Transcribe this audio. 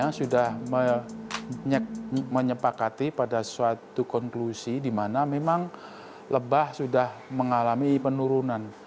kita sudah menyepakati pada suatu konklusi di mana memang lebah sudah mengalami penurunan